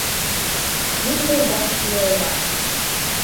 Ниндәй бәхетле улар!..